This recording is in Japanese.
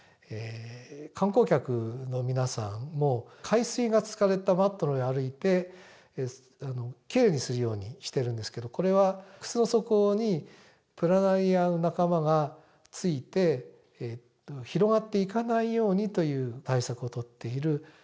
観光客の皆さんも海水が使われたマットの上を歩いてきれいにするようにしているんですけどこれは靴の底にプラナリアの仲間がついて広がっていかないようにという対策を取っている。